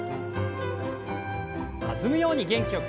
弾むように元気よく。